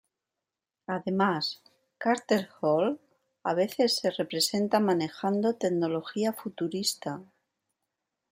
Además, Carter Hall a veces se representa manejando tecnología futurista.